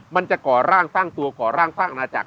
จะก่อร่างสร้างตัวก่อร่างสร้างอาณาจักร